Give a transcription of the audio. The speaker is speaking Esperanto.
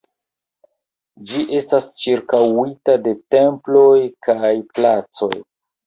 Ĝi estas ĉirkaŭita de temploj kaj placoj.